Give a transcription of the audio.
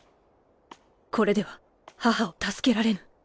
これでは母を助けられぬ。